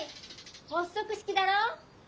発足式だろ！